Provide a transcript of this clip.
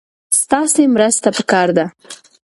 ستاسې مرسته پکار ده.